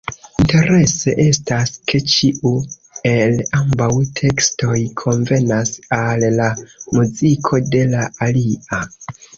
Interese estas, ke ĉiu el ambaŭ tekstoj konvenas al la muziko de la alia.